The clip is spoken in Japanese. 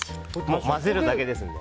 混ぜるだけですので。